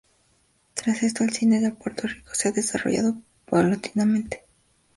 Tras esto el cine de Puerto Rico se ha desarrollado paulatinamente.